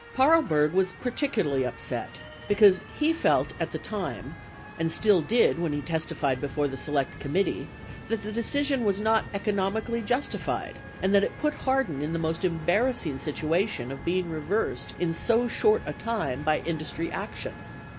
20 Paarlberg was particularly upset, because he felt at the time — and still did when he testified before the Select Committee — that the deci sion was not economically justified and that it put Hardin in the most embarrassing situation of being reversed in so short a time by industry action.